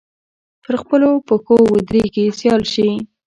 پر خپلو پښو ودرېږي سیال شي